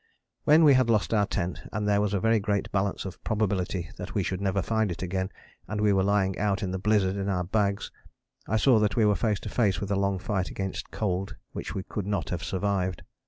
When we had lost our tent, and there was a very great balance of probability that we should never find it again, and we were lying out the blizzard in our bags, I saw that we were face to face with a long fight against cold which we could not have survived.